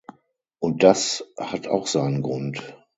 Und das hat auch seinen Grund.